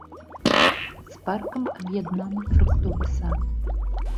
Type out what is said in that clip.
З паркам аб'яднаны фруктовы сад.